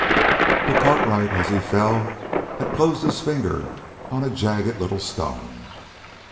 But Cartwright as he fell had closed his fingers on a jagged little stone.